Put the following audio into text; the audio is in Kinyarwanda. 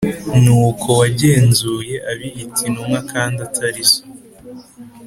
n’uko wagenzuye abiyita intumwa kandi atari zo,